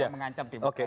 dengan mengancam demokrasi